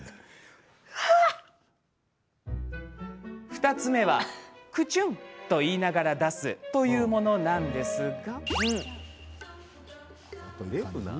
２つ目は「くちゅん」と言いながら出すというものなんですが。